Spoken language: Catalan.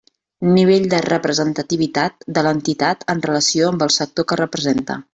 Nivell de representativitat de l'entitat en relació amb el sector que representa.